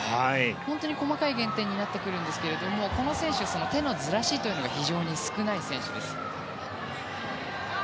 本当に細かい減点になってくるんですがこの選手は手のずらしというのが非常に少ない選手です。